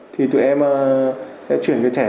thì tụi em sẽ chuyển cái thẻ